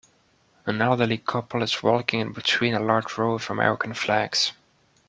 An elderly couple is walking in between a large row of American flags.